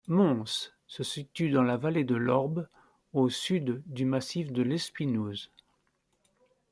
Mons se situe dans la vallée de l'Orb, au sud du massif de l'Espinouse.